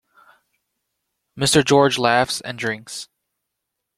Mr. George laughs and drinks.